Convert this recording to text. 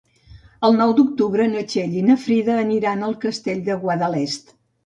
El nou d'octubre na Txell i na Frida aniran al Castell de Guadalest.